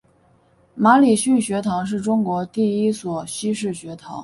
马礼逊学堂是中国第一所西式学堂。